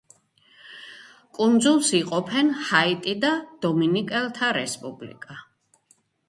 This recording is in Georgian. კუნძულს იყოფენ ჰაიტი და დომინიკელთა რესპუბლიკა.